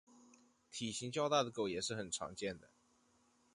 较大体型的狗也是很常见的。